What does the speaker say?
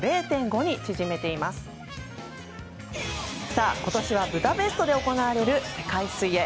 さあ今年はブダペストで行われる世界水泳。